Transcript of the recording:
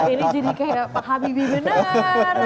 ini jadi kayak pak habibie beneran nih